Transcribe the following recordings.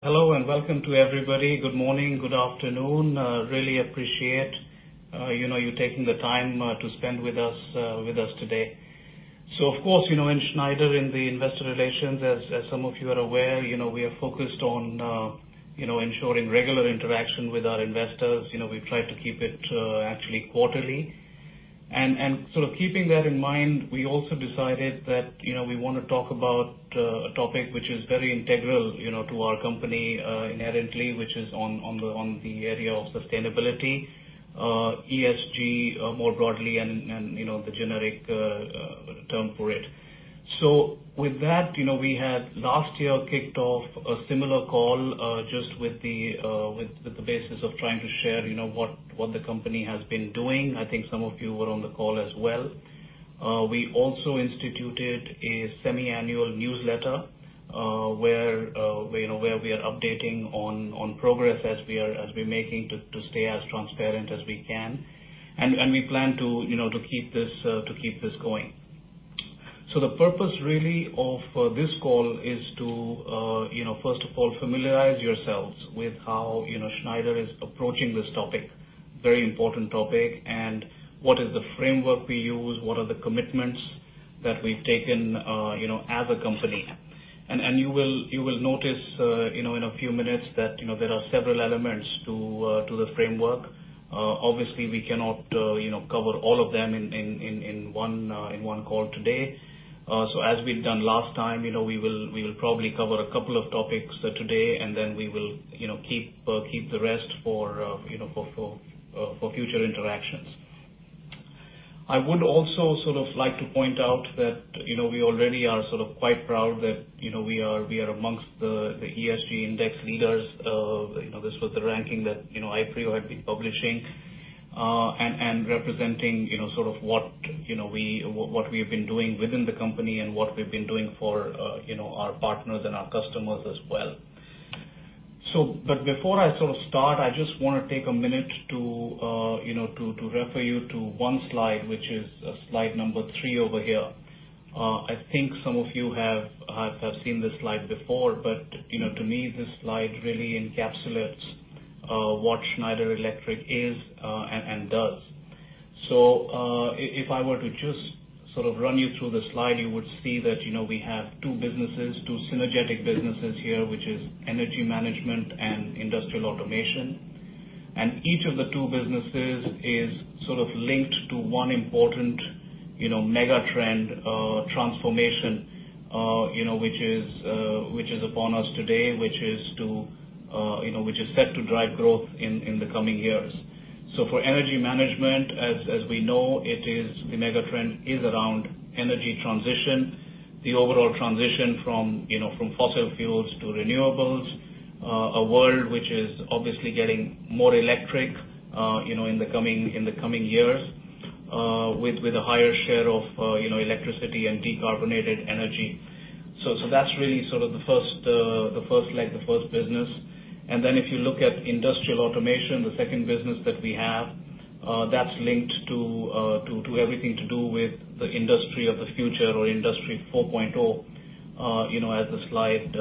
Hello, welcome to everybody. Good morning, good afternoon. Really appreciate you taking the time to spend with us today. Of course, in Schneider, in the investor relations, as some of you are aware, we are focused on ensuring regular interaction with our investors. We've tried to keep it actually quarterly. Keeping that in mind, we also decided that we want to talk about a topic which is very integral to our company inherently, which is on the area of sustainability, ESG more broadly, and the generic term for it. With that, we had last year kicked off a similar call, just with the basis of trying to share what the company has been doing. I think some of you were on the call as well. We also instituted a semi-annual newsletter, where we are updating on progress as we're making to stay as transparent as we can. We plan to keep this going. The purpose really of this call is to, first of all, familiarize yourselves with how Schneider is approaching this topic, very important topic, and what is the framework we use, what are the commitments that we've taken as a company. You will notice in a few minutes that there are several elements to the framework. Obviously, we cannot cover all of them in one call today. As we've done last time, we will probably cover a couple of topics today, and then we will keep the rest for future interactions. I would also like to point out that we already are quite proud that we are amongst the ESG index leaders. This was the ranking that PRI had been publishing, and representing sort of what we have been doing within the company and what we have been doing for our partners and our customers as well. Before I start, I just want to take a minute to refer you to one slide, which is slide number three over here. I think some of you have seen this slide before, but to me, this slide really encapsulates what Schneider Electric is and does. If I were to just run you through the slide, you would see that we have two businesses, two synergetic businesses here, which is Energy Management and Industrial Automation. Each of the two businesses is sort of linked to one important mega trend transformation which is upon us today, which is set to drive growth in the coming years. For energy management, as we know, the mega trend is around energy transition, the overall transition from fossil fuels to renewables, a world which is obviously getting more electric in the coming years with a higher share of electricity and decarbonated energy. That's really sort of the first leg, the first business. If you look at industrial automation, the second business that we have, that's linked to everything to do with the industry of the future or Industry 4.0, as the slide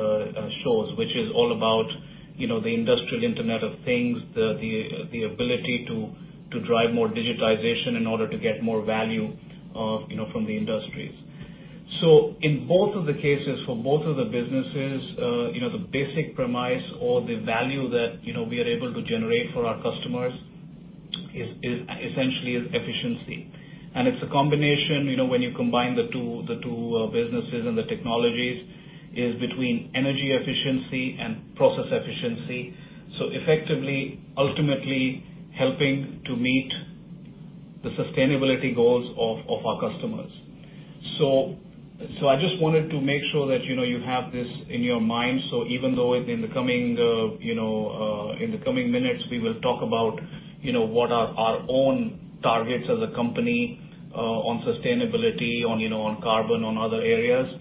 shows, which is all about the industrial Internet of Things, the ability to drive more digitization in order to get more value from the industries. In both of the cases, for both of the businesses, the basic premise or the value that we are able to generate for our customers essentially is efficiency. It's a combination, when you combine the two businesses and the technologies, is between energy efficiency and process efficiency. Effectively, ultimately helping to meet the sustainability goals of our customers. I just wanted to make sure that you have this in your mind. Even though in the coming minutes, we will talk about what are our own targets as a company, on sustainability, on carbon, on other areas.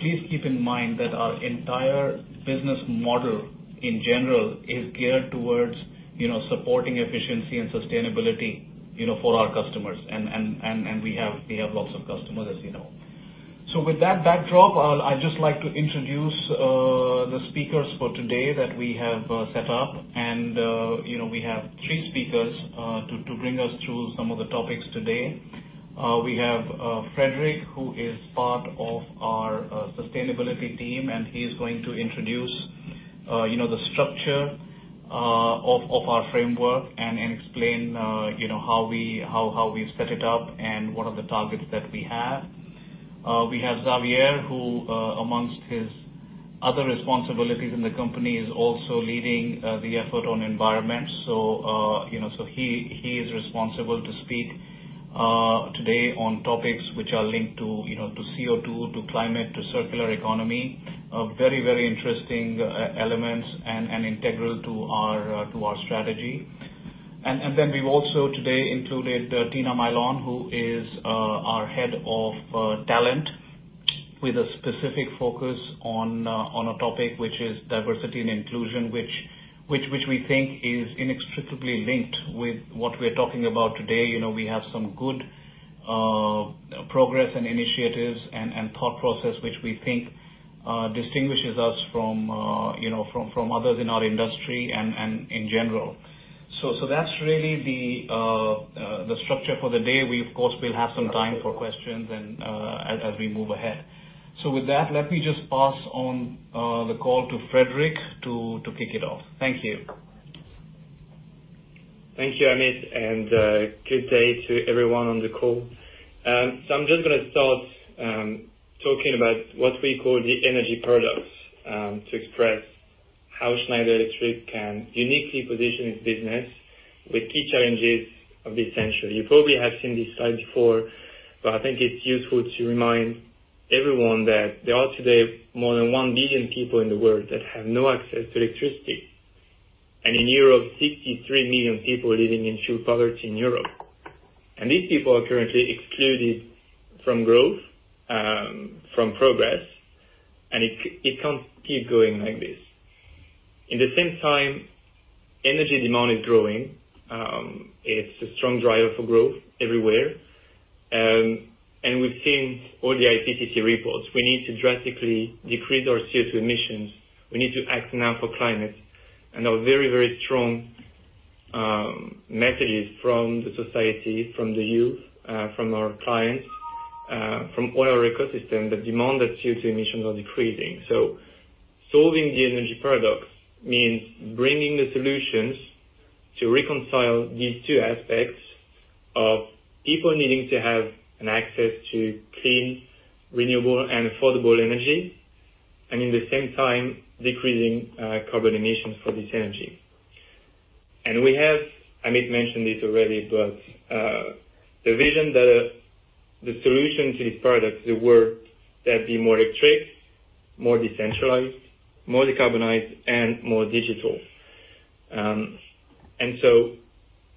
Please keep in mind that our entire business model in general is geared towards supporting efficiency and sustainability for our customers. We have lots of customers, as you know. With that backdrop, I'd just like to introduce the speakers for today that we have set up. We have three speakers to bring us through some of the topics today. We have Frédéric, who is part of our sustainability team. He's going to introduce the structure of our framework and explain how we've set it up and what are the targets that we have. We have Xavier, who amongst his other responsibilities in the company, is also leading the effort on environment. He is responsible to speak today on topics which are linked to CO2, to climate, to circular economy. Very interesting elements and integral to our strategy. We've also today included Tina Mylon, who is our head of talent, with a specific focus on a topic which is diversity and inclusion, which we think is inextricably linked with what we're talking about today. We have some good progress and initiatives and thought process, which we think distinguishes us from others in our industry and in general. That's really the structure for the day. We of course, will have some time for questions as we move ahead. With that, let me just pass on the call to Frédéric to kick it off. Thank you. Thank you, Amit, and good day to everyone on the call. I'm just going to start talking about what we call the energy paradox, to express how Schneider Electric can uniquely position its business with key challenges of this century. You probably have seen this slide before, but I think it's useful to remind everyone that there are today more than 1 billion people in the world that have no access to electricity. In Europe, 63 million people living in fuel poverty in Europe. These people are currently excluded from growth, from progress, and it can't keep going like this. In the same time, energy demand is growing. It's a strong driver for growth everywhere. We've seen all the IPCC reports. We need to drastically decrease our CO2 emissions. Our very, very strong messages from the society, from the youth, from our clients, from all our ecosystem, the demand that CO2 emissions are decreasing. Solving the energy paradox means bringing the solutions to reconcile these two aspects of people needing to have an access to clean, renewable, and affordable energy, and in the same time, decreasing carbon emissions for this energy. We have, Amit mentioned it already, the vision, the solution to this paradox, the world that be more electric, more decentralized, more decarbonized, and more digital.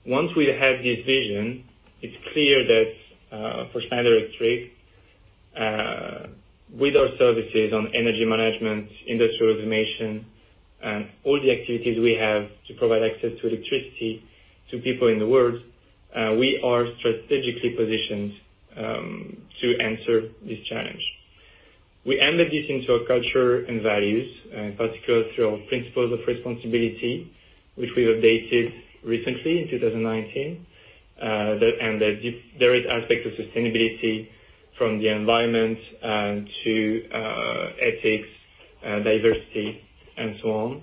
Once we have this vision, it's clear that, for Schneider Electric, with our services on energy management, industrial automation, and all the activities we have to provide access to electricity to people in the world, we are strategically positioned to answer this challenge. We embedded this into our culture and values, in particular through our principles of responsibility, which we've updated recently in 2019. There is aspect of sustainability from the environment, to ethics, diversity, and so on.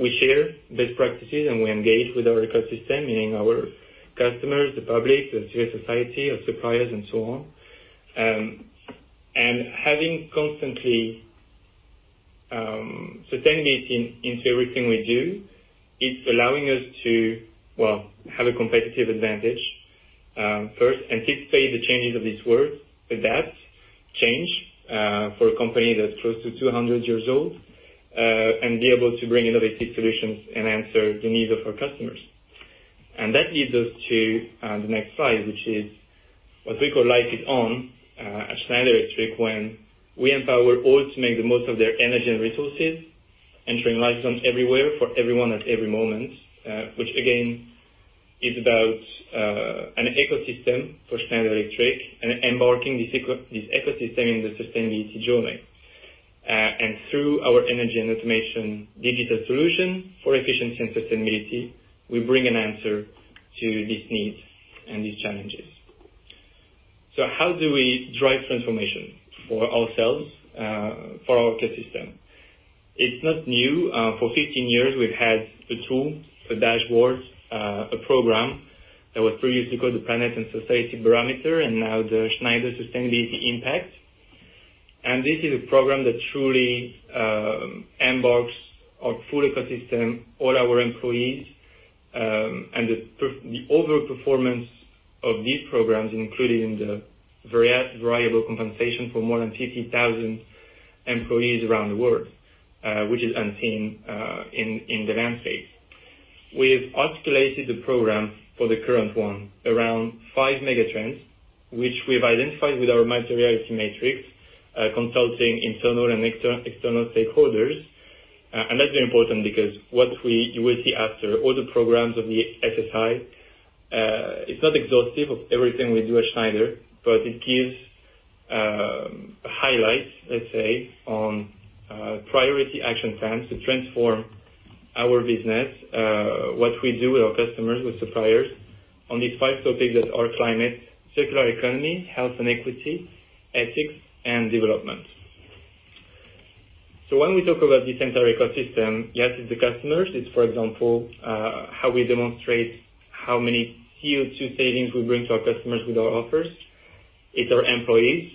We share best practices, and we engage with our ecosystem, meaning our customers, the public, the civil society, our suppliers, and so on. Having constantly sustainability into everything we do, it's allowing us to have a competitive advantage, first, anticipate the changes of this world, adapt, change for a company that's close to 200 years old, and be able to bring innovative solutions and answer the needs of our customers. That leads us to the next slide, which is what we call "Life Is On", at Schneider Electric, when we empower all to make the most of their energy and resources, ensuring lights on everywhere for everyone at every moment. Which again, is about an ecosystem for Schneider Electric and embarking this ecosystem in the sustainability journey. Through our energy and automation digital solution for efficiency and sustainability, we bring an answer to these needs and these challenges. How do we drive transformation for ourselves, for our ecosystem? It's not new. For 15 years, we've had the tool, the dashboards, a program that was previously called the Planet and Society Barometer, and now the Schneider Sustainability Impact. This is a program that truly embarks our full ecosystem, all our employees, and the over performance of these programs, including the variable compensation for more than 50,000 employees around the world, which is unseen in the landscape. We've articulated the program for the current one around five mega trends, which we've identified with our materiality matrix, consulting internal and external stakeholders. That's important because what you will see after all the programs of the SSI, it's not exhaustive of everything we do at Schneider, but it gives highlights, let's say, on priority action plans to transform our business, what we do with our customers, with suppliers on these five topics that are climate, circular economy, health and equity, ethics, and development. When we talk about this entire ecosystem, yes, it's the customers. It's, for example, how we demonstrate how many CO2 savings we bring to our customers with our offers. It's our employees.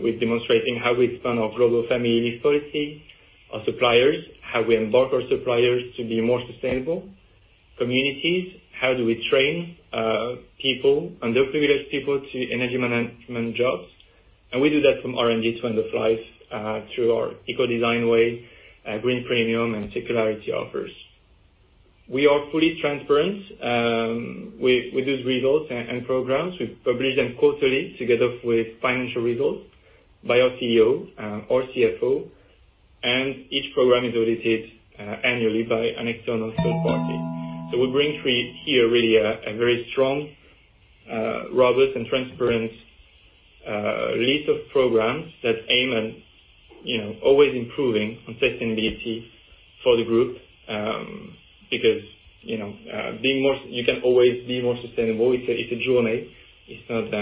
We're demonstrating how we run our global families policy. Our suppliers, how we embark our suppliers to be more sustainable. Communities, how do we train people, underprivileged people, to energy management jobs. We do that from R&D to end of life through our EcoDesign Way, Green Premium, and circularity offers. We are fully transparent with these results and programs. We publish them quarterly together with financial results by our CEO, our CFO. Each program is audited annually by an external third party. We bring to you here really a very strong, robust, and transparent list of programs that aim and always improving on sustainability for the group, because you can always be more sustainable. It's a journey. It's not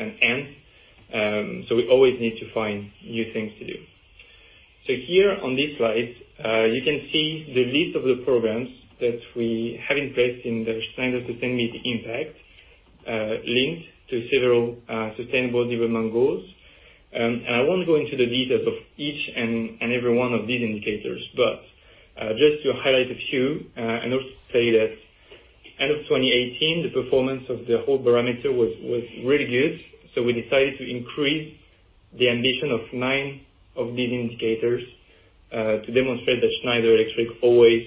an end. We always need to find new things to do. Here on this slide, you can see the list of the programs that we have in place in the Schneider Sustainability Impact, linked to several sustainable development goals. I won't go into the details of each and every one of these indicators, but just to highlight a few, and also say that end of 2018, the performance of the whole barometer was really good. We decided to increase the ambition of nine of these indicators, to demonstrate that Schneider Electric always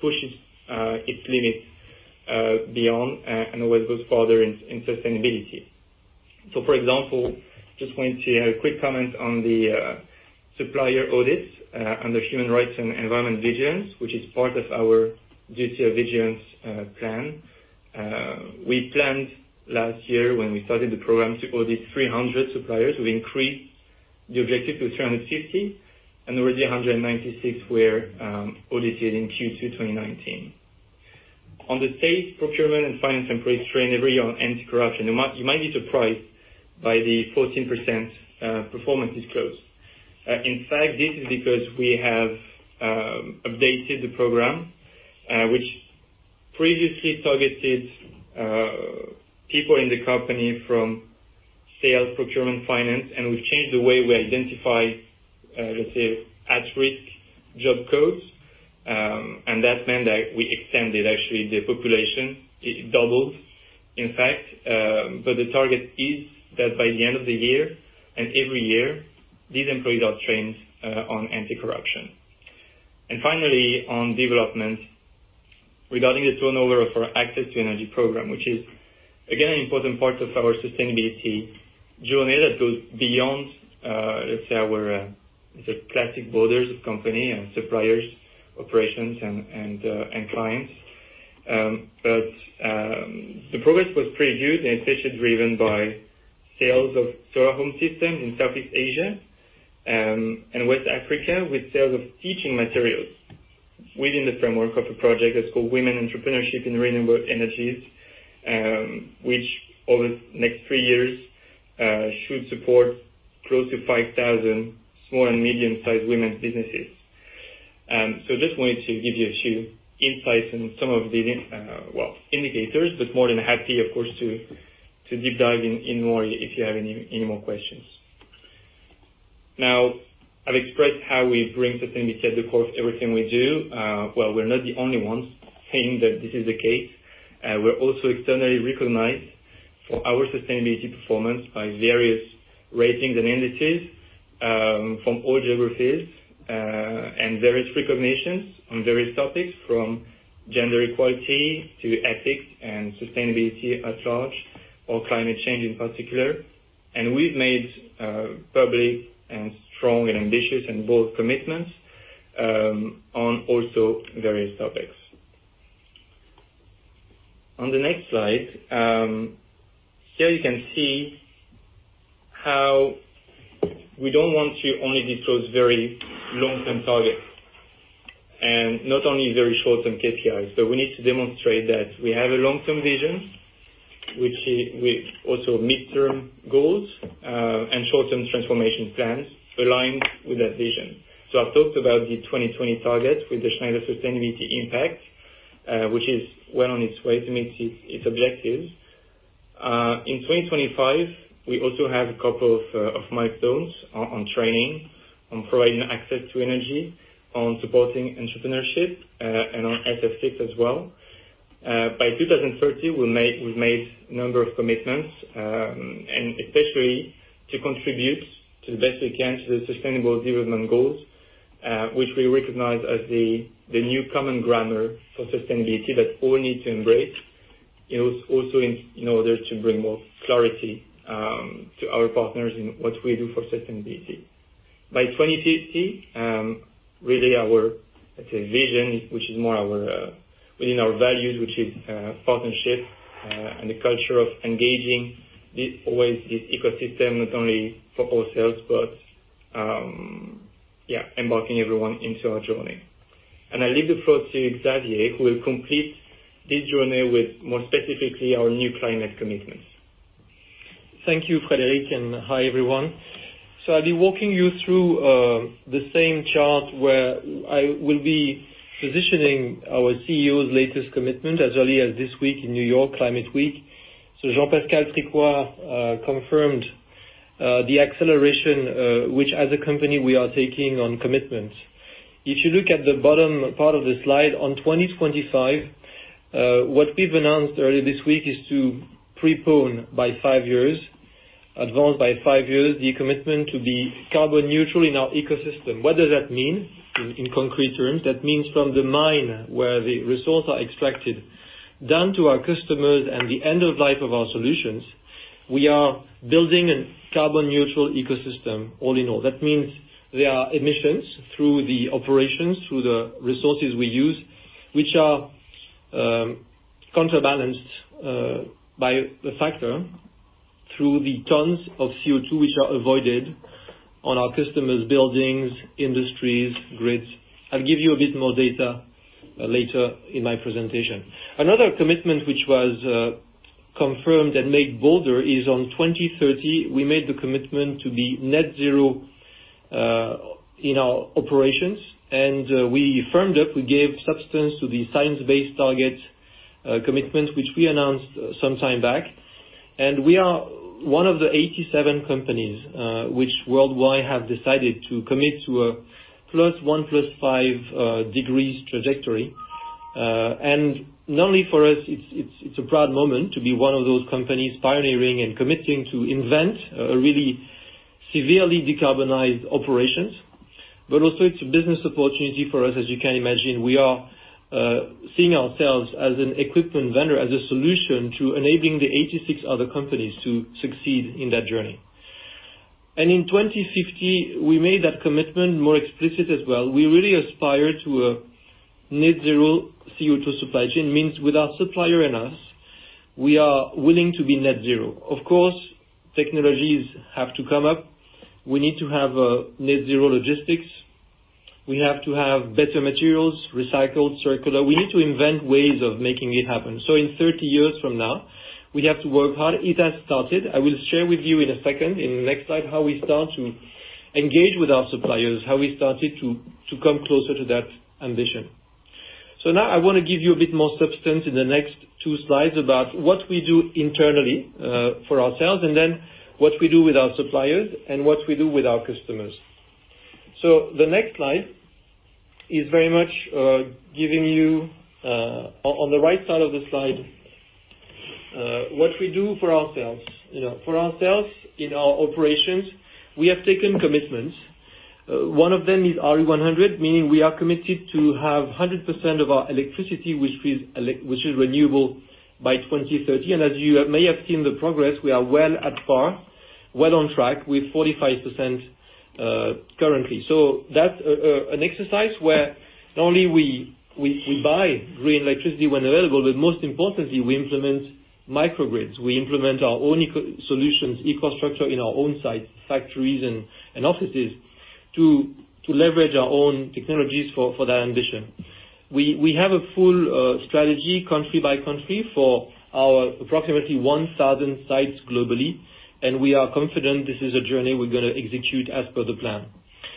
pushes its limits beyond, and always goes further in sustainability. For example, just wanted to quick comment on the supplier audits under human rights and environment vigilance, which is part of our duty of vigilance plan. We planned last year when we started the program to audit 300 suppliers. We increased the objective to 350, and already 196 were audited in Q2 2019. On the safe procurement and finance employees trained every year on anti-corruption, you might be surprised by the 14% performance disclose. In fact, this is because we have updated the program, which previously targeted people in the company from sales, procurement, finance, and we've changed the way we identify, let's say, at-risk job codes. That meant that we extended, actually, the population. It doubled, in fact. The target is that by the end of the year, and every year, these employees are trained on anti-corruption. Finally, on development, regarding the turnover of our Access to Energy program, which is again, an important part of our sustainability journey that goes beyond, let's say, our classic borders of company and suppliers, operations and clients. The progress was pretty good, and especially driven by sales of Solar Home System in Southeast Asia, and West Africa, with sales of teaching materials within the framework of a project that's called Women Entrepreneurship in Renewable Energies, which over the next three years, should support close to 5,000 small and medium-sized women's businesses. Just wanted to give you a few insights in some of the, well, indicators, but more than happy, of course, to deep dive in more if you have any more questions. I've expressed how we bring sustainability at the core of everything we do. Well, we're not the only ones saying that this is the case. We're also externally recognized for our sustainability performance by various ratings and entities, from all geographies, and various recognitions on various topics, from gender equality to ethics and sustainability at large, or climate change in particular. We've made public, and strong, and ambitious, and bold commitments, on also various topics. On the next slide, here you can see how we don't want to only disclose very long-term targets and not only very short-term KPIs, but we need to demonstrate that we have a long-term vision, with also mid-term goals, and short-term transformation plans aligned with that vision. I've talked about the 2020 target with the Schneider Sustainability Impact, which is well on its way to meet its objectives. In 2025, we also have a couple of milestones on training, on providing Access to Energy, on supporting entrepreneurship, and on SF6 as well. By 2030, we've made number of commitments, especially to contribute to the best we can to the sustainable development goals, which we recognize as the new common grammar for sustainability that all need to embrace, also in order to bring more clarity to our partners in what we do for sustainability. By 2050, really our, let's say, vision, which is more within our values, which is partnership, and the culture of engaging always this ecosystem, not only for ourselves, but embarking everyone into our journey. I leave the floor to Xavier, who will complete this journey with more specifically our new climate commitments. Thank you, Frédéric. Hi, everyone. I'll be walking you through the same chart where I will be positioning our CEO's latest commitment as early as this week in New York, Climate Week NYC. Jean-Pascal Tricoire confirmed the acceleration, which as a company, we are taking on commitment. If you look at the bottom part of the slide, on 2025, what we've announced earlier this week is to prepone by five years, advance by five years, the commitment to be carbon neutral in our ecosystem. What does that mean in concrete terms? That means from the mine where the resources are extracted, down to our customers and the end of life of our solutions, we are building a carbon neutral ecosystem all in all. That means there are emissions through the operations, through the resources we use. Counterbalanced by a factor through the tons of CO2 which are avoided on our customers' buildings, industries, grids. I'll give you a bit more data later in my presentation. Another commitment which was confirmed and made bolder is on 2030, we made the commitment to be net zero in our operations, and we firmed up, we gave substance to the science-based target commitment, which we announced some time back. We are one of the 87 companies which worldwide have decided to commit to a plus one plus five degrees trajectory. Not only for us, it's a proud moment to be one of those companies pioneering and committing to invent a really severely decarbonized operations. Also it's a business opportunity for us. As you can imagine, we are seeing ourselves as an equipment vendor, as a solution to enabling the 86 other companies to succeed in that journey. In 2050, we made that commitment more explicit as well. We really aspire to a net zero CO2 supply chain. Means with our supplier and us, we are willing to be net zero. Of course, technologies have to come up. We need to have net zero logistics. We have to have better materials, recycled, circular. We need to invent ways of making it happen. In 30 years from now, we have to work hard. It has started. I will share with you in a second, in the next slide, how we start to engage with our suppliers, how we started to come closer to that ambition. Now I want to give you a bit more substance in the next two slides about what we do internally, for ourselves, and then what we do with our suppliers and what we do with our customers. The next slide is very much giving you, on the right side of the slide, what we do for ourselves. For ourselves in our operations, we have taken commitments. One of them is RE100, meaning we are committed to have 100% of our electricity, which is renewable, by 2030. As you may have seen the progress, we are well at par, well on track with 45% currently. That's an exercise where not only we buy green electricity when available, but most importantly, we implement microgrids. We implement our own solutions, EcoStruxure, in our own sites, factories, and offices to leverage our own technologies for that ambition. We have a full strategy country by country for our approximately 1,000 sites globally, we are confident this is a journey we're going to execute as per the plan.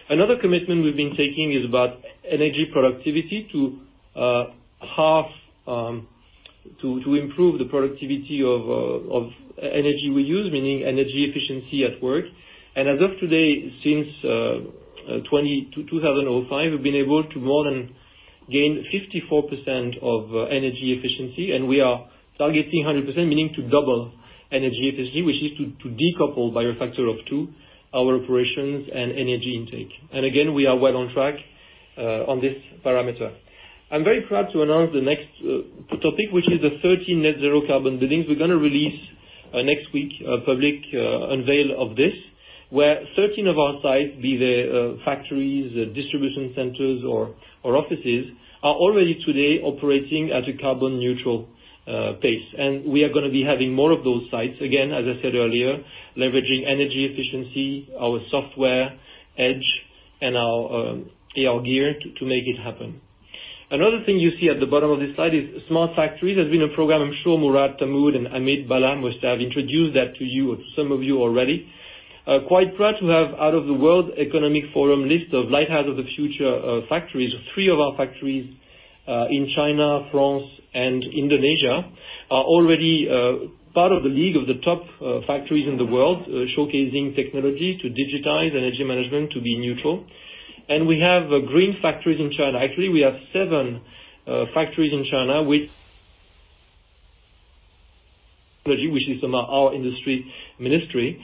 Another commitment we've been taking is about energy productivity to improve the productivity of energy we use, meaning energy efficiency at work. As of today, since 2005, we've been able to more than gain 54% of energy efficiency, we are targeting 100%, meaning to double energy efficiency, which is to decouple by a factor of two our operations and energy intake. Again, we are well on track on this parameter. I'm very proud to announce the next topic, which is the 13 net zero carbon buildings. We're going to release next week, a public unveil of this, where 13 of our sites, be they factories, distribution centers, or offices, are already today operating at a carbon neutral pace. We are going to be having more of those sites, again, as I said earlier, leveraging energy efficiency, our software edge and our AR gear to make it happen. Another thing you see at the bottom of this slide is smart factories. There's been a program, I'm sure Mourad Tamoud and Amit Bhalla must have introduced that to you or to some of you already. Quite proud to have out of the World Economic Forum list of Lighthouse of the Future factories, three of our factories, in China, France, and Indonesia, are already part of the league of the top factories in the world, showcasing technologies to digitize energy management to be neutral. We have green factories in China. Actually, we have seven factories in China with which is from our industry ministry.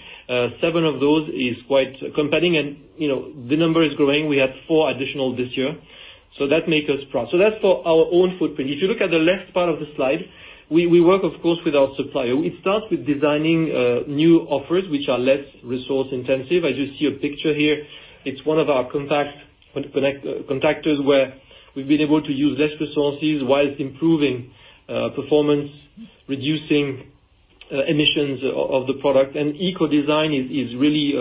Seven of those is quite compelling, the number is growing. We have four additional this year, that make us proud. That's for our own footprint. If you look at the left part of the slide, we work, of course, with our supplier. It starts with designing new offers, which are less resource intensive. As you see a picture here, it's one of our contactors where we've been able to use less resources whilst improving performance, reducing emissions of the product. Eco-design is really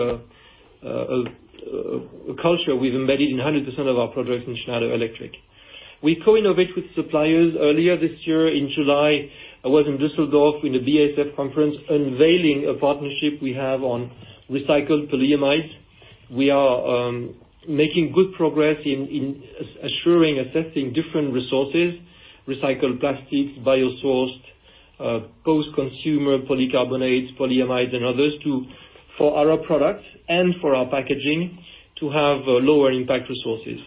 a culture we've embedded in 100% of our products in Schneider Electric. We co-innovate with suppliers. Earlier this year in July, I was in Düsseldorf in the BASF conference unveiling a partnership we have on recycled polyamides. We are making good progress in assessing different resources, recycled plastics, bio-sourced, post-consumer polycarbonates, polyamides and others for our products and for our packaging to have lower impact resources.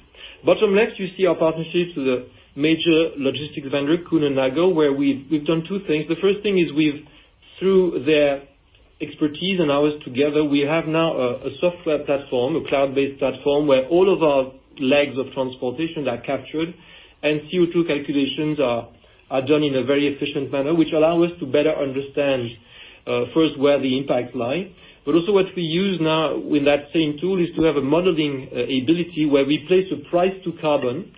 Bottom left, you see our partnership with a major logistics vendor, Kuehne+Nagel, where we've done two things. The first thing is we've, through their expertise and ours together, we have now a software platform, a cloud-based platform, where all of our legs of transportation are captured and CO2 calculations are done in a very efficient manner, which allow us to better understand, first where the impacts lie. Also what we use now with that same tool is to have a modeling ability where we place a price to carbon.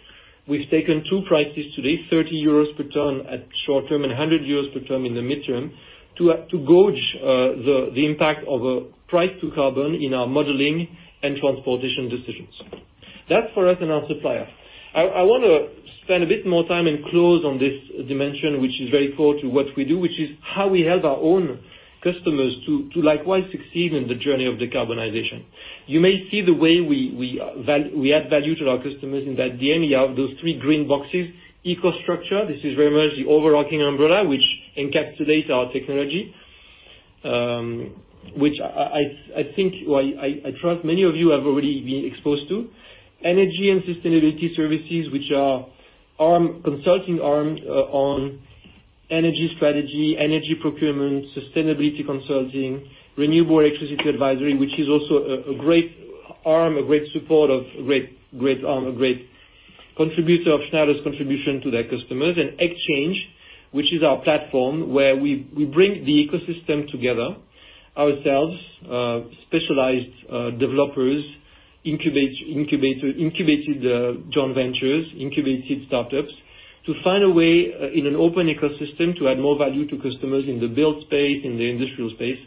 We've taken two prices today, 30 euros per ton at short-term and 100 euros per ton in the midterm, to gauge the impact of a price to carbon in our modeling and transportation decisions. That's for us and our supplier. I want to spend a bit more time and close on this dimension, which is very core to what we do, which is how we help our own customers to likewise succeed in the journey of decarbonization. You may see the way we add value to our customers in that DNA of those three green boxes. EcoStruxure, this is very much the overarching umbrella, which encapsulates our technology, which I trust many of you have already been exposed to. Energy and sustainability services, which are consulting arms on energy strategy, energy procurement, sustainability consulting, renewable electricity advisory, which is also a great arm, a great support of great contributor of Schneider's contribution to their customers. Exchange, which is our platform, where we bring the ecosystem together, ourselves, specialized developers, incubated joint ventures, incubated startups, to find a way in an open ecosystem to add more value to customers in the build space, in the industrial space,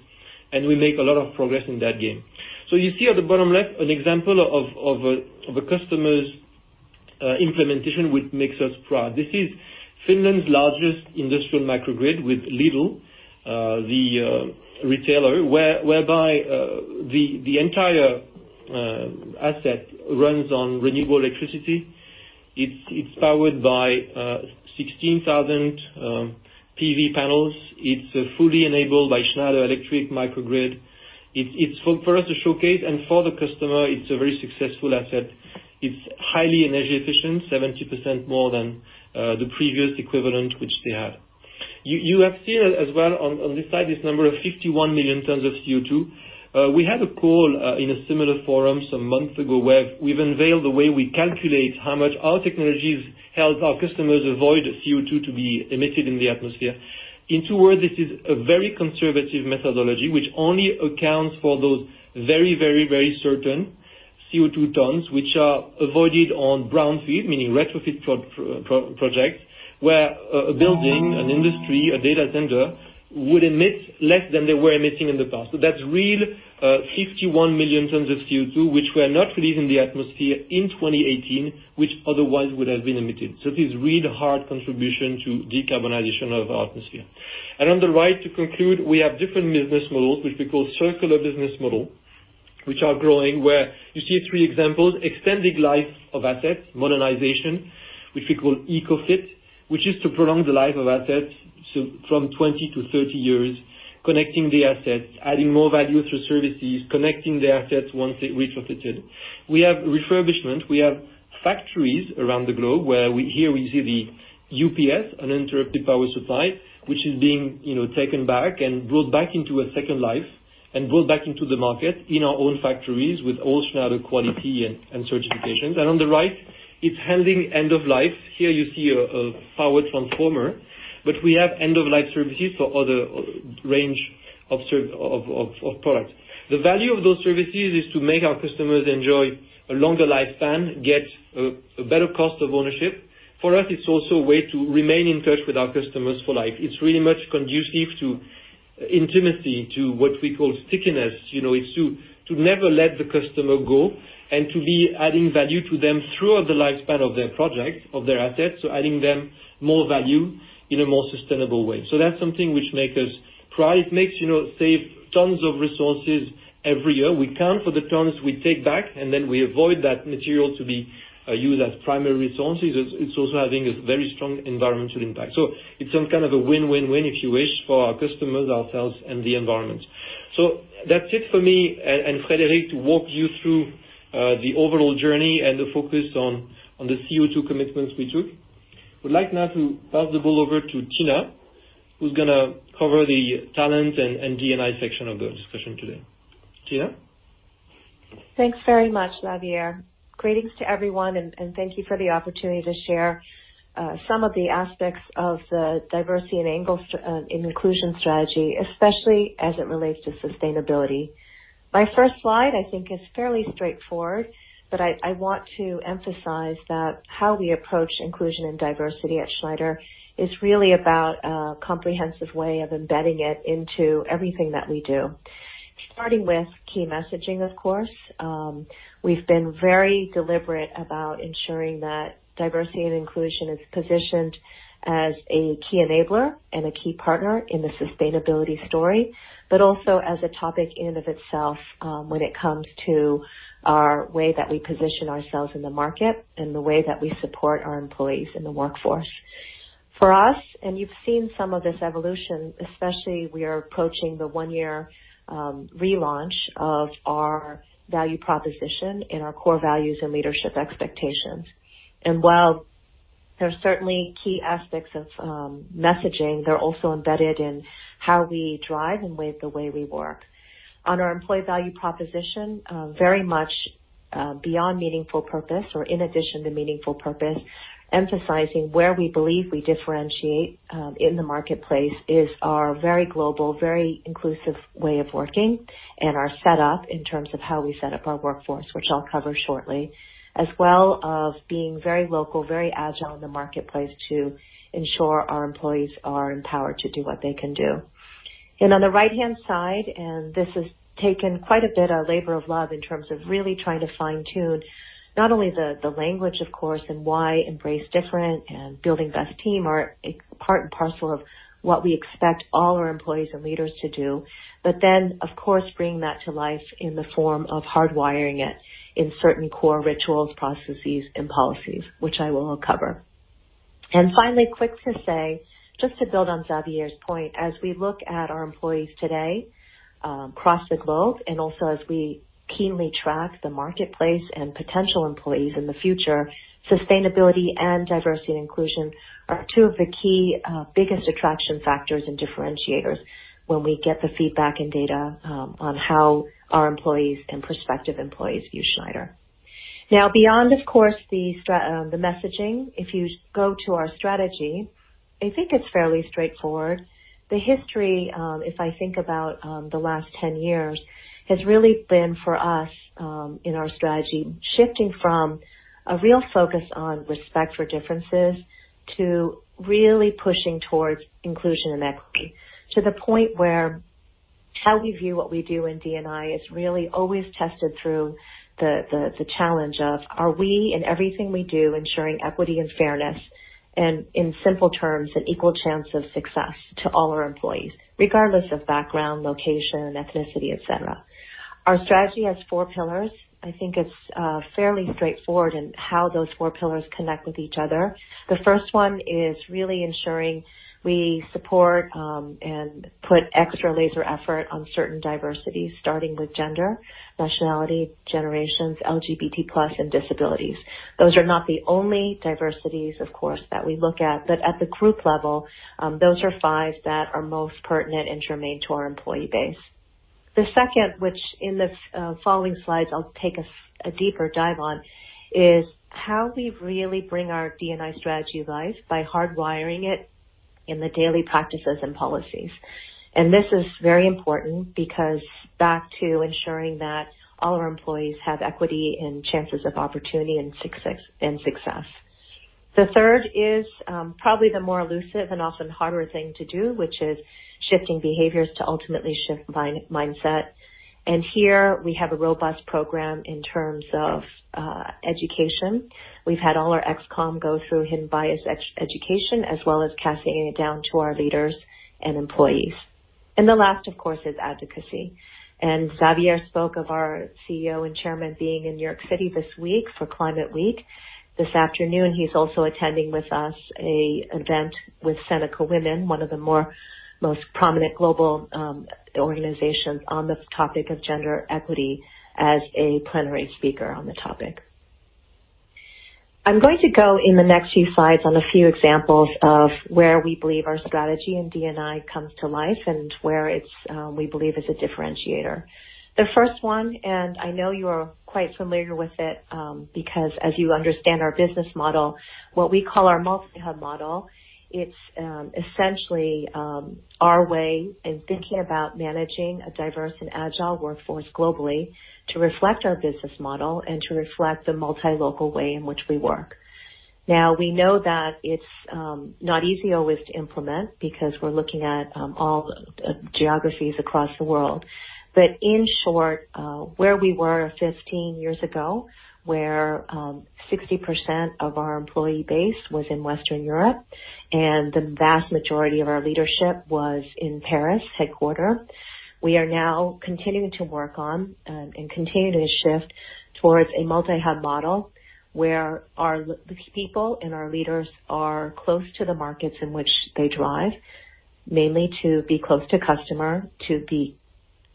we make a lot of progress in that game. You see at the bottom left, an example of a customer's implementation which makes us proud. This is Finland's largest industrial microgrid with Lidl, the retailer, whereby the entire asset runs on renewable electricity. It is powered by 16,000 PV panels. It is fully enabled by Schneider Electric microgrid. It is for us to showcase and for the customer, it is a very successful asset. It's highly energy efficient, 70% more than the previous equivalent which they had. You have here as well, on this side, this number of 51 million tons of CO2. We had a call in a similar forum some months ago where we've unveiled the way we calculate how much our technologies help our customers avoid CO2 to be emitted in the atmosphere. In two words, this is a very conservative methodology, which only accounts for those very certain CO2 tons, which are avoided on brownfield, meaning retrofit projects, where a building, an industry, a data center, would emit less than they were emitting in the past. That's real 51 million tons of CO2, which we are not releasing the atmosphere in 2018, which otherwise would have been emitted. It is real hard contribution to decarbonization of our atmosphere. On the right, to conclude, we have different business models, which we call circular business model, which are growing, where you see three examples, extending life of assets, modernization, which we call EcoFit, which is to prolong the life of assets from 20-30 years, connecting the assets, adding more value through services, connecting the assets once it retrofitted. We have refurbishment. We have factories around the globe, where here we see the UPS, uninterrupted power supply, which is being taken back and brought back into a second life and brought back into the market in our own factories with all Schneider quality and certifications. On the right, it's handling end of life. Here you see a power transformer, but we have end of life services for other range of products. The value of those services is to make our customers enjoy a longer lifespan, get a better cost of ownership. For us, it's also a way to remain in touch with our customers for life. It's really much conducive to intimacy, to what we call stickiness. It's to never let the customer go, and to be adding value to them throughout the lifespan of their project, of their assets, so adding them more value in a more sustainable way. That's something which makes us pride, makes save tons of resources every year. We count for the tons we take back, and then we avoid that material to be used as primary resources. It's also having a very strong environmental impact. It's some kind of a win-win-win, if you wish, for our customers, ourselves, and the environment. That's it for me and Frédéric to walk you through the overall journey and the focus on the CO2 commitments we took. Would like now to pass the ball over to Tina, who's going to cover the talent and D&I section of the discussion today. Tina? Thanks very much, Xavier. Greetings to everyone, and thank you for the opportunity to share some of the aspects of the diversity and inclusion strategy, especially as it relates to sustainability. My first slide, I think, is fairly straightforward, but I want to emphasize that how we approach inclusion and diversity at Schneider is really about a comprehensive way of embedding it into everything that we do. Starting with key messaging, of course. We've been very deliberate about ensuring that diversity and inclusion is positioned as a key enabler and a key partner in the sustainability story, but also as a topic in and of itself, when it comes to our way that we position ourselves in the market and the way that we support our employees in the workforce. For us, you've seen some of this evolution, especially we are approaching the one-year relaunch of our value proposition and our core values and leadership expectations. While there are certainly key aspects of messaging, they're also embedded in how we drive and the way we work. On our employee value proposition, Beyond meaningful purpose or in addition to meaningful purpose, emphasizing where we believe we differentiate in the marketplace is our very global, very inclusive way of working and our setup in terms of how we set up our workforce, which I'll cover shortly. As well of being very local, very agile in the marketplace to ensure our employees are empowered to do what they can do. On the right-hand side, and this has taken quite a bit of labor of love in terms of really trying to fine-tune not only the language, of course, and why embrace different and building best team are part and parcel of what we expect all our employees and leaders to do. Of course, bringing that to life in the form of hardwiring it in certain core rituals, processes, and policies, which I will cover. Finally, quick to say, just to build on Xavier's point, as we look at our employees today across the globe, and also as we keenly track the marketplace and potential employees in the future, sustainability and diversity and inclusion are two of the key biggest attraction factors and differentiators when we get the feedback and data on how our employees and prospective employees view Schneider. Beyond, of course, the messaging, if you go to our strategy, I think it's fairly straightforward. The history, if I think about the last 10 years, has really been for us, in our strategy, shifting from a real focus on respect for differences to really pushing towards inclusion and equity, to the point where how we view what we do in D&I is really always tested through the challenge of, are we, in everything we do, ensuring equity and fairness and, in simple terms, an equal chance of success to all our employees, regardless of background, location, ethnicity, etc. Our strategy has four pillars. I think it's fairly straightforward in how those four pillars connect with each other. The first one is really ensuring we support, and put extra laser effort on certain diversities, starting with gender, nationality, generations, LGBT+ and disabilities. Those are not the only diversities, of course, that we look at. At the group level, those are five that are most pertinent and germane to our employee base. The second, which in the following slides I'll take a deeper dive on, is how we really bring our D&I strategy to life by hardwiring it in the daily practices and policies. This is very important because back to ensuring that all our employees have equity and chances of opportunity and success. The third is probably the more elusive and often harder thing to do, which is shifting behaviors to ultimately shift mindset. Here we have a robust program in terms of education. We've had all our ExCom go through hidden bias education as well as cascading it down to our leaders and employees. The last, of course, is advocacy. Xavier spoke of our CEO and Chairman being in New York City this week for Climate Week. This afternoon, he's also attending with us an event with Seneca Women, one of the most prominent global organizations on the topic of gender equity as a plenary speaker on the topic. I'm going to go in the next few slides on a few examples of where we believe our strategy in D&I comes to life and where we believe is a differentiator. The first one, and I know you're quite familiar with it, because as you understand our business model, what we call our multi-hub model, it's essentially our way in thinking about managing a diverse and agile workforce globally to reflect our business model and to reflect the multi-local way in which we work. We know that it's not easy always to implement because we're looking at all geographies across the world. In short, where we were 15 years ago, where 60% of our employee base was in Western Europe and the vast majority of our leadership was in Paris headquarter, we are now continuing to work on and continuing to shift towards a multi-hub model where our people and our leaders are close to the markets in which they drive, mainly to be close to customer, to be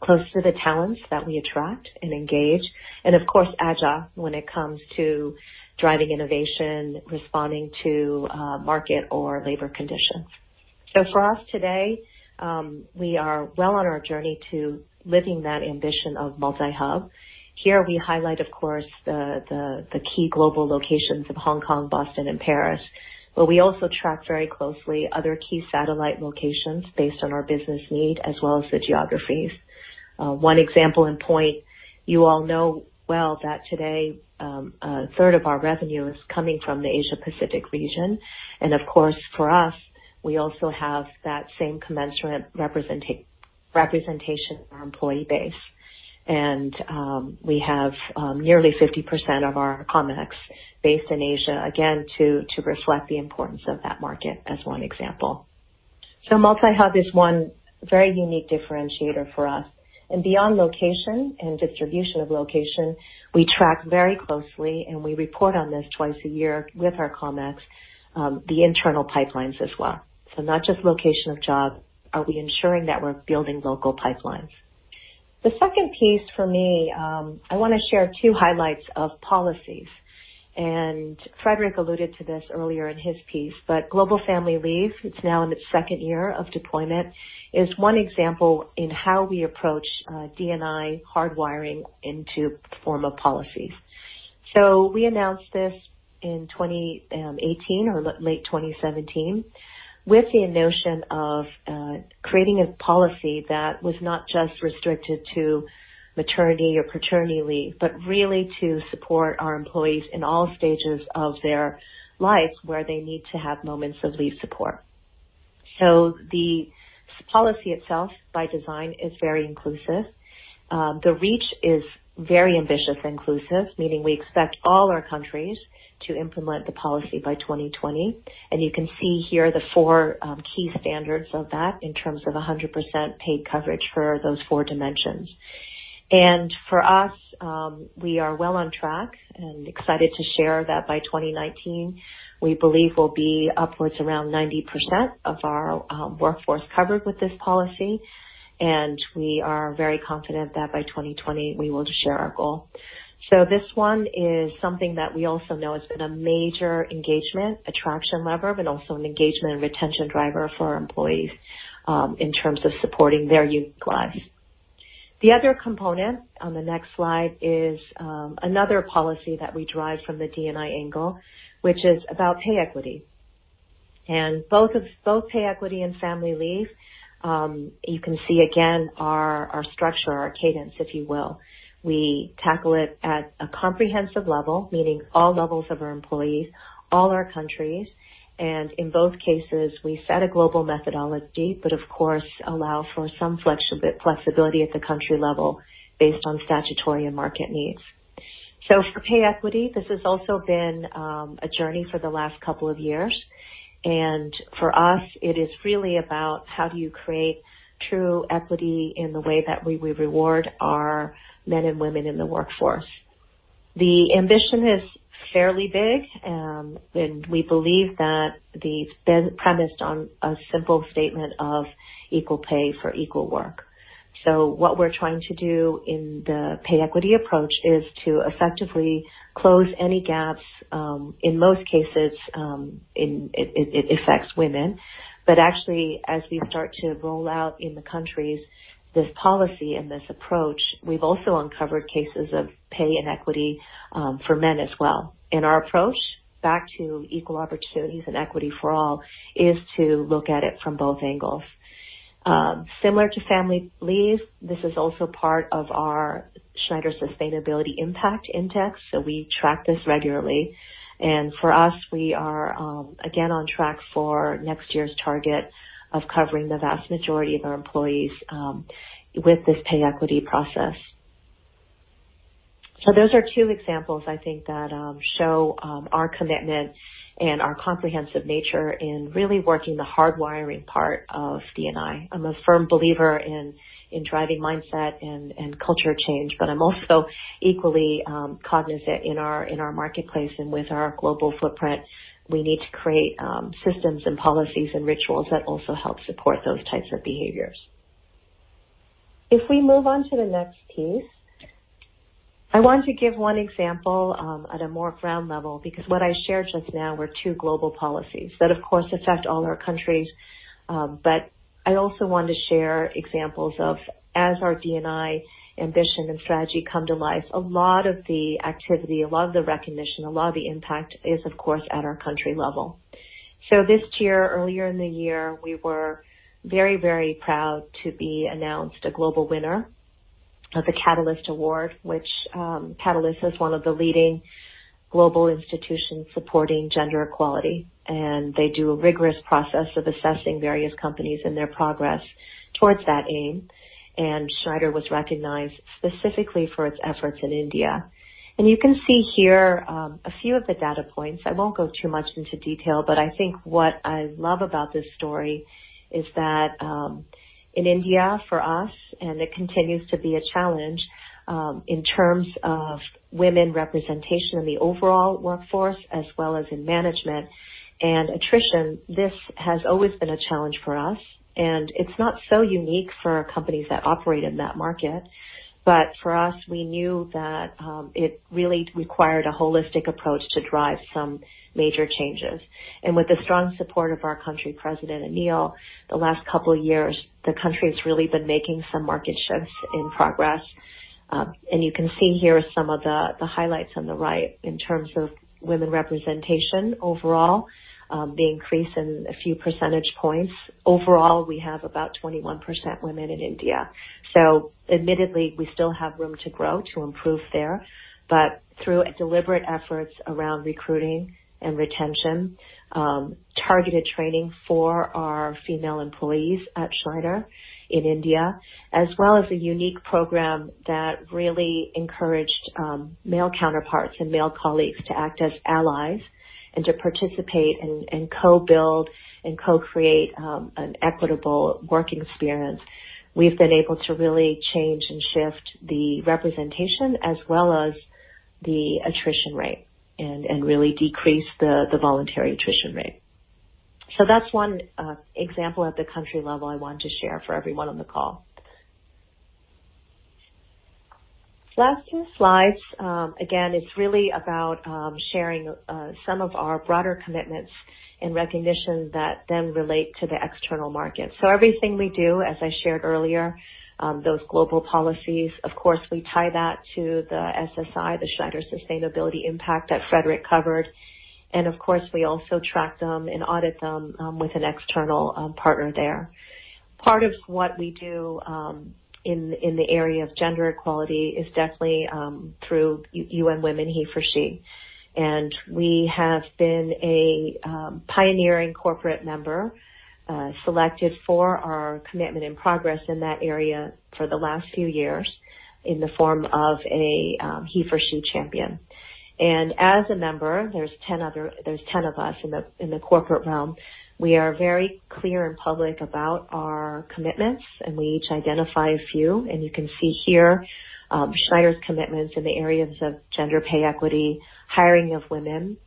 close to the talents that we attract and engage, and of course, agile when it comes to driving innovation, responding to market or labor conditions. For us today, we are well on our journey to living that ambition of multi-hub. Here we highlight, of course, the key global locations of Hong Kong, Boston, and Paris. We also track very closely other key satellite locations based on our business need as well as the geographies. One example in point, you all know well that today a third of our revenue is coming from the Asia Pacific region. Of course, for us, we also have that same commensurate representation in our employee base. We have nearly 50% of our Comex based in Asia, again, to reflect the importance of that market as one example. Multi-hub is one very unique differentiator for us. Beyond location and distribution of location, we track very closely, and we report on this twice a year with our Comex, the internal pipelines as well. Not just location of job. Are we ensuring that we're building local pipelines? The second piece for me, I want to share two highlights of policies, and Frédéric alluded to this earlier in his piece, but global family leave, it's now in its second year of deployment, is one example in how we approach D&I hardwiring into the form of policies. We announced this in 2018 or late 2017 with the notion of creating a policy that was not just restricted to maternity or paternity leave, but really to support our employees in all stages of their life where they need to have moments of leave support. The policy itself, by design, is very inclusive. The reach is very ambitious, inclusive, meaning we expect all our countries to implement the policy by 2020. You can see here the four key standards of that in terms of 100% paid coverage for those four dimensions. For us, we are well on track and excited to share that by 2019, we believe we'll be upwards around 90% of our workforce covered with this policy, and we are very confident that by 2020 we will share our goal. This one is something that we also know has been a major engagement attraction lever, but also an engagement and retention driver for our employees, in terms of supporting their unique lives. The other component on the next slide is another policy that we drive from the D&I angle, which is about pay equity. Both pay equity and family leave, you can see again our structure, our cadence, if you will. We tackle it at a comprehensive level, meaning all levels of our employees, all our countries, and in both cases, we set a global methodology, but of course allow for some flexibility at the country level based on statutory and market needs. For pay equity, this has also been a journey for the last couple of years, and for us, it is really about how do you create true equity in the way that we reward our men and women in the workforce. The ambition is fairly big, and we believe that it's been premised on a simple statement of equal pay for equal work. What we're trying to do in the pay equity approach is to effectively close any gaps. In most cases, it affects women. Actually, as we start to roll out in the countries this policy and this approach, we've also uncovered cases of pay inequity for men as well. Our approach, back to equal opportunities and equity for all, is to look at it from both angles. Similar to family leave, this is also part of our Schneider Sustainability Impact Index. We track this regularly. For us, we are again on track for next year's target of covering the vast majority of our employees with this pay equity process. Those are two examples I think that show our commitment and our comprehensive nature in really working the hardwiring part of D&I. I'm a firm believer in driving mindset and culture change, but I'm also equally cognizant in our marketplace and with our global footprint, we need to create systems and policies and rituals that also help support those types of behaviors. If we move on to the next piece, I want to give one example at a more ground level, because what I shared just now were two global policies that, of course, affect all our countries. I also want to share examples of as our D&I ambition and strategy come to life, a lot of the activity, a lot of the recognition, a lot of the impact is, of course, at our country level. This year, earlier in the year, we were very proud to be announced a global winner of the Catalyst Award. Catalyst is one of the leading global institutions supporting gender equality. They do a rigorous process of assessing various companies and their progress towards that aim. Schneider was recognized specifically for its efforts in India. You can see here a few of the data points. I won't go too much into detail, but I think what I love about this story is that in India, for us, it continues to be a challenge in terms of women representation in the overall workforce as well as in management and attrition. This has always been a challenge for us. It's not so unique for companies that operate in that market. For us, we knew that it really required a holistic approach to drive some major changes. With the strong support of our country president, Anil, the last couple of years, the country has really been making some market shifts in progress. You can see here some of the highlights on the right in terms of women representation overall, the increase in a few percentage points. Overall, we have about 21% women in India. Admittedly, we still have room to grow, to improve there. Through deliberate efforts around recruiting and retention, targeted training for our female employees at Schneider in India, as well as a unique program that really encouraged male counterparts and male colleagues to act as allies and to participate and co-build and co-create an equitable work experience, we've been able to really change and shift the representation as well as the attrition rate and really decrease the voluntary attrition rate. That's one example at the country level I want to share for everyone on the call. Last two slides. Again, it's really about sharing some of our broader commitments and recognition that then relate to the external market. Everything we do, as I shared earlier, those global policies, of course, we tie that to the SSI, the Schneider Sustainability Impact that Frédéric covered. Of course, we also track them and audit them with an external partner there. Part of what we do in the area of gender equality is definitely through UN Women HeForShe. We have been a pioneering corporate member, selected for our commitment and progress in that area for the last few years in the form of a HeForShe champion. As a member, there's 10 of us in the corporate realm, we are very clear and public about our commitments, and we each identify a few. You can see here Schneider's commitments in the areas of gender pay equity, hiring of women,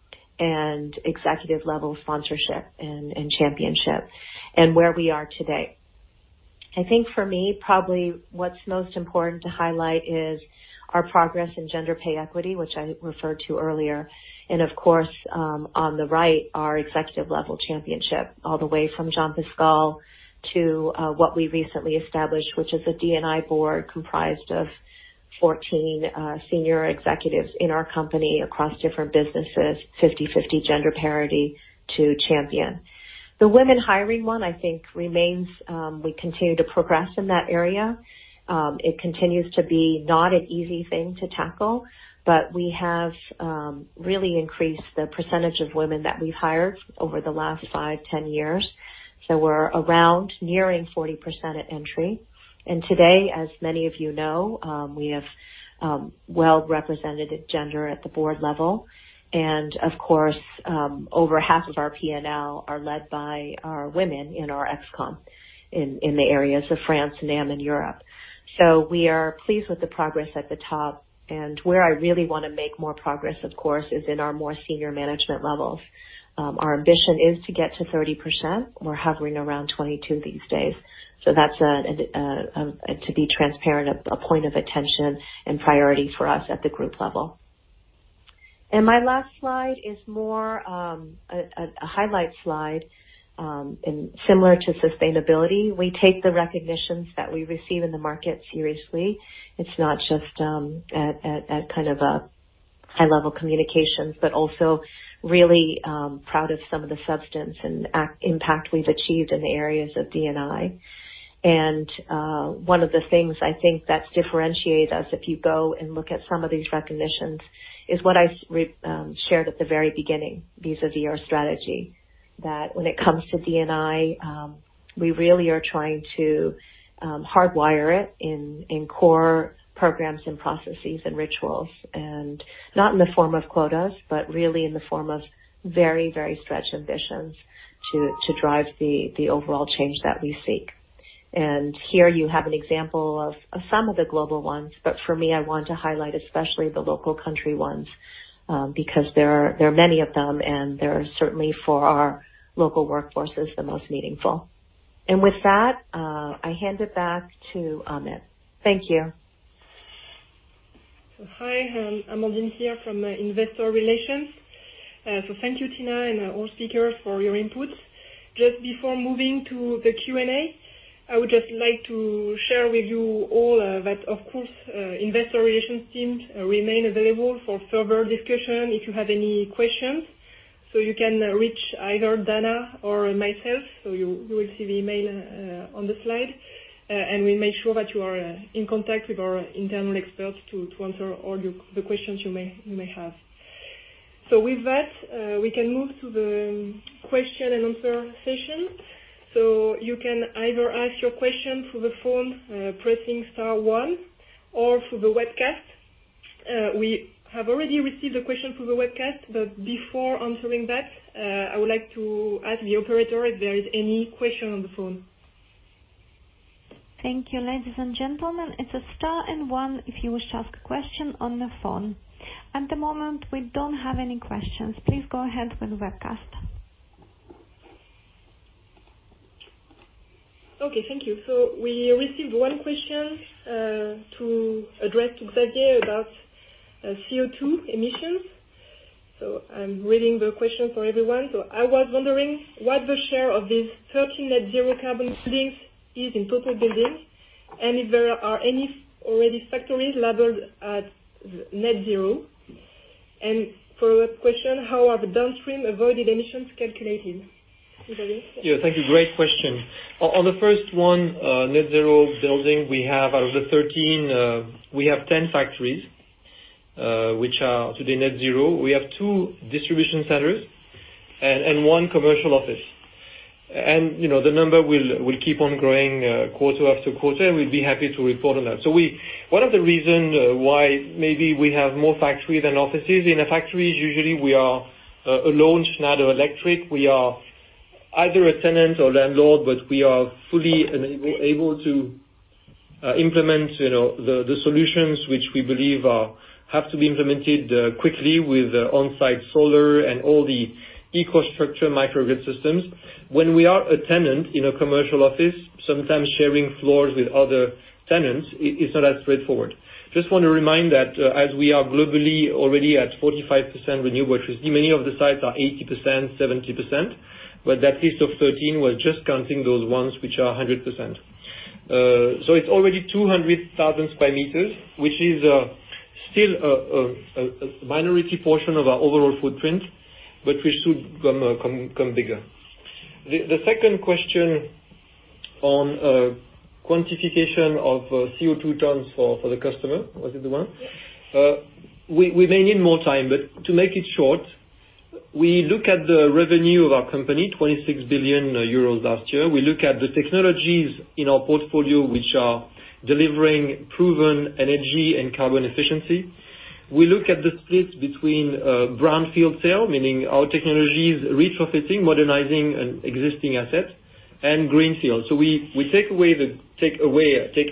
and executive-level sponsorship and championship, and where we are today. I think for me, probably what's most important to highlight is our progress in gender pay equity, which I referred to earlier. Of course, on the right, our executive-level championship, all the way from Jean-Pascal to what we recently established, which is a D&I board comprised of 14 senior executives in our company across different businesses, 50/50 gender parity to champion. The women hiring one, I think remains. We continue to progress in that area. It continues to be not an easy thing to tackle, but we have really increased the % of women that we've hired over the last 5, 10 years. We're around nearing 40% at entry. Today, as many of you know, we have well-represented gender at the board level. Of course, over half of our P&L are led by our women in our ExCom in the areas of France, NAM, and Europe. We are pleased with the progress at the top. Where I really want to make more progress, of course, is in our more senior management levels. Our ambition is to get to 30%. We're hovering around 22 these days. That's, to be transparent, a point of attention and priority for us at the group level. My last slide is more a highlight slide. Similar to sustainability, we take the recognitions that we receive in the market seriously. It's not just at kind of a high-level communications, but also really proud of some of the substance and impact we've achieved in the areas of D&I. One of the things I think that differentiates us, if you go and look at some of these recognitions, is what I shared at the very beginning, vis-a-vis our strategy, that when it comes to D&I, we really are trying to hardwire it in core programs and processes and rituals, and not in the form of quotas, but really in the form of very stretched ambitions to drive the overall change that we seek. Here you have an example of some of the global ones. For me, I want to highlight especially the local country ones, because there are many of them, and they are certainly for our local workforces, the most meaningful. With that, I hand it back to Amit. Thank you. Hi, Amandine here from Investor Relations. Thank you, Tina, and all speakers for your inputs. Just before moving to the Q&A, I would just like to share with you all that, of course, Investor Relations teams remain available for further discussion if you have any questions. You can reach either Dana or myself. You will see the email on the slide, and we'll make sure that you are in contact with our internal experts to answer all the questions you may have. With that, we can move to the question and answer session. You can either ask your question through the phone, pressing star one, or through the webcast. We have already received a question through the webcast, but before answering that, I would like to ask the operator if there is any question on the phone. Thank you. Ladies and gentlemen, it's star and one if you wish to ask a question on the phone. At the moment, we don't have any questions. Please go ahead with the webcast. Okay. Thank you. We received one question to address to Xavier about CO2 emissions. I am reading the question for everyone. I was wondering what the share of these 13 net zero carbon buildings is in total buildings, and if there are any already factories labeled as net zero. For the question, how are the downstream avoided emissions calculated? Xavier? Thank you. Great question. On the first one, net-zero building, we have out of the 13, we have 10 factories, which are today net-zero. We have 2 distribution centers and 1 commercial office. The number will keep on growing quarter after quarter, and we'll be happy to report on that. One of the reasons why maybe we have more factories than offices, in a factory, usually we are a lone Schneider Electric. We are either a tenant or landlord, but we are fully able to implement the solutions which we believe have to be implemented quickly with on-site solar and all the EcoStruxure microgrid systems. When we are a tenant in a commercial office, sometimes sharing floors with other tenants, it's not as straightforward. Just want to remind that as we are globally already at 45% renewable electricity, many of the sites are 80%, 70%, but that list of 13 was just counting those ones which are 100%. It's already 200,000 sq m, which is still a minority portion of our overall footprint, but which should become bigger. The second question on quantification of CO2 tons for the customer. Was it the one? Yes. We may need more time, but to make it short, we look at the revenue of our company, 26 billion euros last year. We look at the technologies in our portfolio which are delivering proven energy and carbon efficiency. We look at the split between brownfield sale, meaning our technology is retrofitting, modernizing an existing asset, and greenfield. We take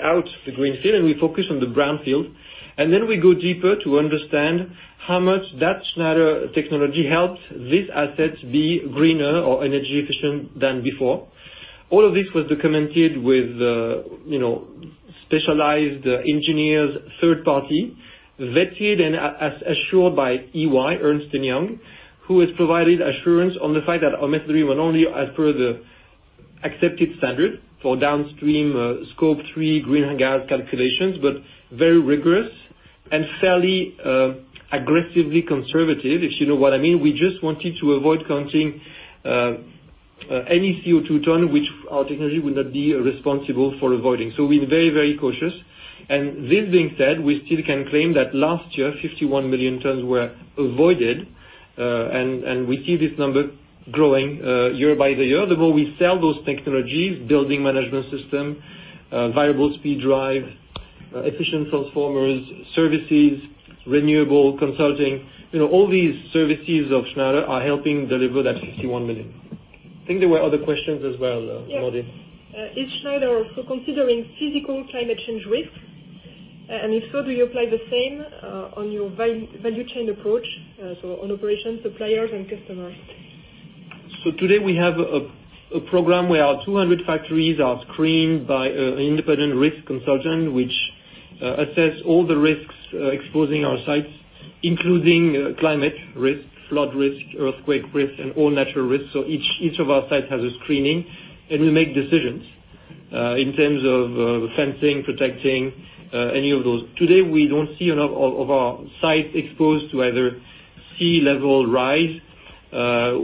out the greenfield, and we focus on the brownfield, and then we go deeper to understand how much that Schneider technology helps this asset be greener or energy efficient than before. All of this was documented with specialized engineers, third-party, vetted and as assured by EY, Ernst & Young, who has provided assurance on the fact that our method will not only as per the accepted standard for downstream Scope 3 greenhouse gas calculations, but very rigorous and fairly aggressively conservative, if you know what I mean. We just wanted to avoid counting any CO2 ton, which our technology would not be responsible for avoiding. We're very cautious. This being said, we still can claim that last year, 51 million tons were avoided, and we see this number growing year by year. The more we sell those technologies, building management system, variable speed drive, efficient transformers, services, renewable consulting. All these services of Schneider are helping deliver that 51 million. I think there were other questions as well, Amandine. Yes. Is Schneider also considering physical climate change risks? If so, do you apply the same on your value chain approach, so on operations, suppliers, and customers? Today we have a program where our 200 factories are screened by an independent risk consultant, which assess all the risks exposing our sites, including climate risk, flood risk, earthquake risk, and all natural risks. Each of our sites has a screening, and we make decisions, in terms of fencing, protecting, any of those. Today, we don't see enough of our sites exposed to either sea level rise,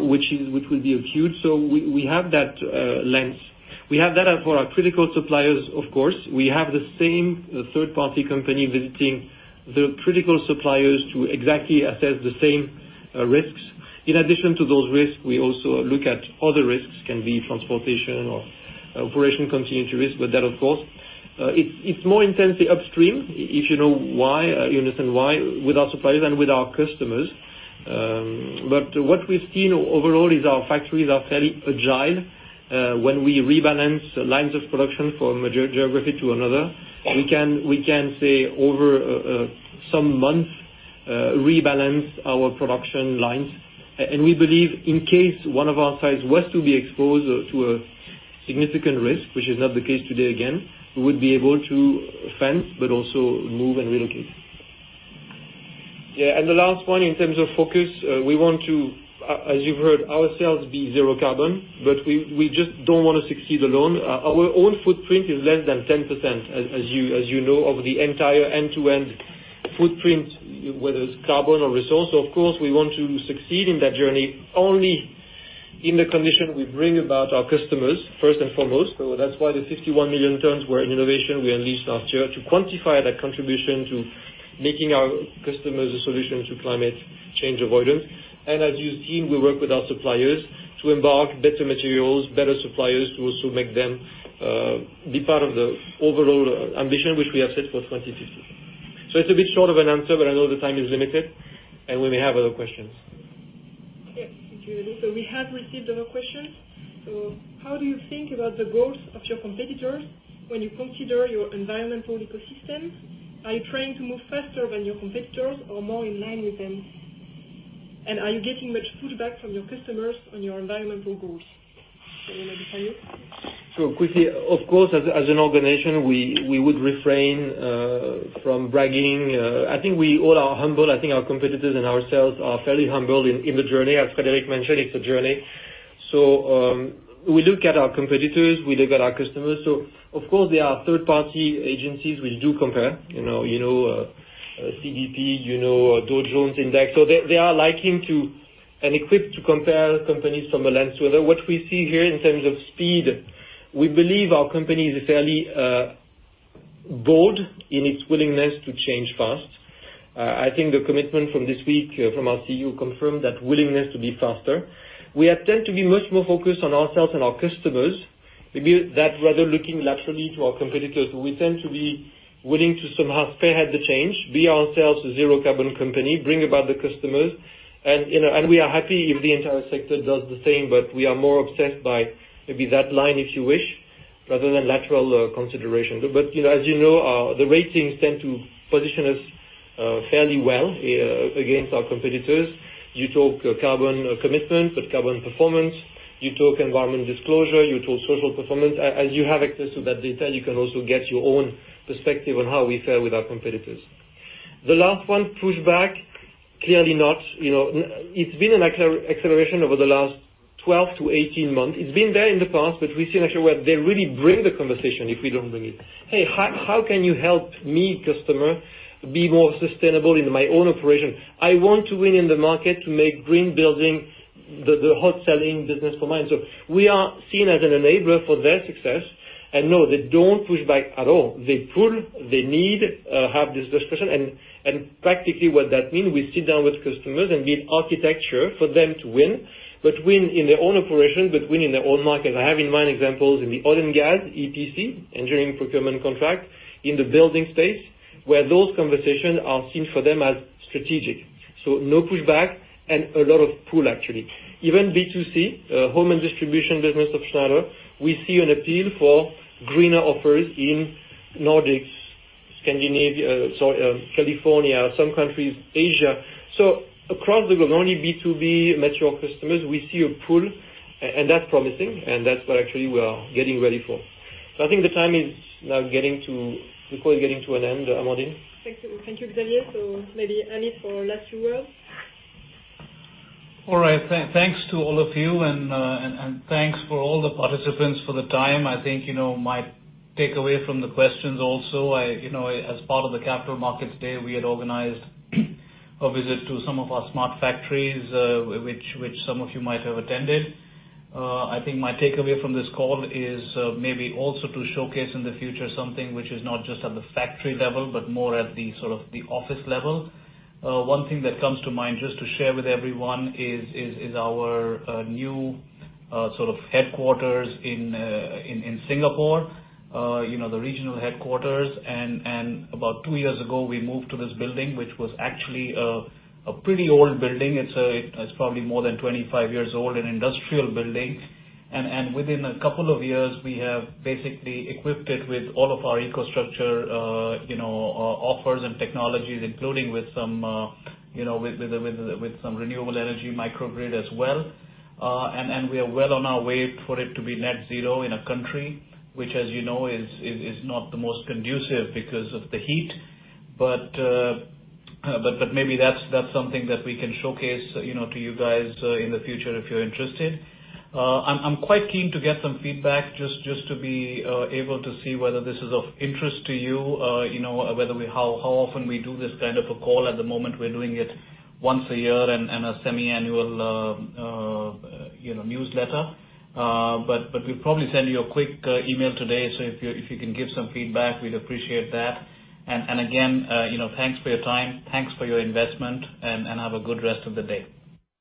which will be acute. We have that lens. We have that for our critical suppliers, of course. We have the same third-party company visiting the critical suppliers to exactly assess the same risks. In addition to those risks, we also look at other risks, can be transportation or operation continuity risk with that, of course. It's more intensely upstream, if you know why, you understand why, with our suppliers and with our customers. What we've seen overall is our factories are fairly agile. When we rebalance lines of production from a geography to another, we can say over some month, rebalance our production lines. We believe in case one of our sites was to be exposed to a significant risk, which is not the case today, again, we would be able to fence but also move and relocate. Yeah. The last one, in terms of focus, we want to, as you've heard ourselves, be zero carbon, but we just don't want to succeed alone. Our own footprint is less than 10%, as you know, of the entire end-to-end footprint, whether it's carbon or resource. Of course, we want to succeed in that journey only in the condition we bring about our customers, first and foremost. That's why the 51 million tons were an innovation we unleashed last year to quantify that contribution to making our customers a solution to climate change avoidance. As you've seen, we work with our suppliers to embark better materials, better suppliers, to also make them be part of the overall ambition, which we have set for 2050. It's a bit short of an answer, but I know the time is limited, and we may have other questions. Thank you, Xavier. We have received other questions. How do you think about the goals of your competitors when you consider your environmental ecosystem? Are you trying to move faster than your competitors or more in line with them? Are you getting much pushback from your customers on your environmental goals? Maybe for you. Quickly, of course, as an organization, we would refrain from bragging. I think we all are humble. I think our competitors and ourselves are fairly humble in the journey. As Frédéric mentioned, it's a journey. We look at our competitors, we look at our customers. Of course, there are third-party agencies which do compare, CDP, Dow Jones Index. They are liking to and equipped to compare companies from a lens. What we see here in terms of speed, we believe our company is fairly bold in its willingness to change fast. I think the commitment from this week from our CEO confirmed that willingness to be faster. We tend to be much more focused on ourselves and our customers, maybe rather looking laterally to our competitors. We tend to be willing to somehow spearhead the change, be ourselves, a zero carbon company, bring about the customers. We are happy if the entire sector does the same. We are more obsessed by maybe that line, if you wish, rather than lateral consideration. As you know, the ratings tend to position us fairly well against our competitors. You talk carbon commitment, but carbon performance. You talk environment disclosure, you talk social performance. You have access to that data. You can also get your own perspective on how we fare with our competitors. The last one, pushback. Clearly not. It's been an acceleration over the last 12 to 18 months. It's been there in the past, but we see now they really bring the conversation if we don't bring it. "Hey, how can you help me, customer, be more sustainable in my own operation? I want to win in the market to make green building the hot selling business for mine." We are seen as an enabler for their success and no, they don't push back at all. They pull. They need have this discussion, and practically what that means, we sit down with customers and build architecture for them to win, but win in their own operation, but win in their own market. I have in mind examples in the oil and gas, EPC, engineering, procurement, contract, in the building space, where those conversations are seen for them as strategic. No pushback and a lot of pull, actually. Even B2C, home and distribution business of Schneider, we see an appeal for greener offers in Nordics, California, some countries, Asia. Across the globe, only B2B mature customers, we see a pull, and that's promising, and that's what actually we are getting ready for. I think the time is now getting to the call getting to an end, Amandine. Thank you, Xavier. Maybe Amit for last few words. All right. Thanks to all of you, and thanks for all the participants for the time. I think my takeaway from the questions also, as part of the capital market today, we had organized a visit to some of our smart factories, which some of you might have attended. I think my takeaway from this call is maybe also to showcase in the future something which is not just at the factory level, but more at the office level. One thing that comes to mind, just to share with everyone, is our new headquarters in Singapore, the regional headquarters. About two years ago, we moved to this building, which was actually a pretty old building. It's probably more than 25 years old, an industrial building. Within a couple of years, we have basically equipped it with all of our infrastructure offers and technologies, including with some renewable energy microgrid as well. We are well on our way for it to be net zero in a country, which, as you know, is not the most conducive because of the heat. Maybe that's something that we can showcase to you guys in the future if you're interested. I'm quite keen to get some feedback just to be able to see whether this is of interest to you, how often we do this kind of a call. At the moment, we're doing it once a year and a semi-annual newsletter. We'll probably send you a quick email today. If you can give some feedback, we'd appreciate that. Again, thanks for your time. Thanks for your investment. Have a good rest of the day.